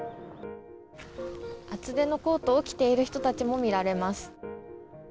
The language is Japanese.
厚手のコートを着ている人たちも見られます。